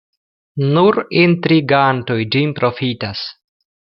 Nur intrigantoj ĝin profitas.